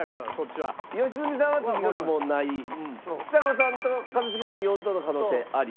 ちさ子さんと一茂さんは４等の可能性あり。